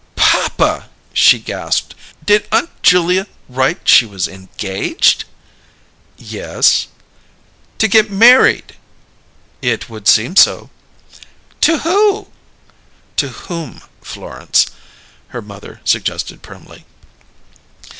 "Papa!" she gasped. "Did Aunt Julia write she was engaged?" "Yes." "To get married?" "It would seem so." "To who?" "'To whom,' Florence," her mother suggested primly.